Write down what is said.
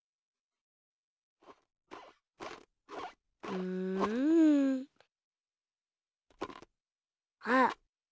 うん。あっ！